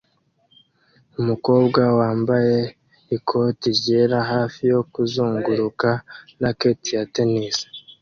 Umukobwa wambaye ikoti ryera hafi yo kuzunguruka racket ya tennis